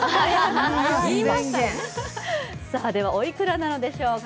では、おいくらなのでしょうか。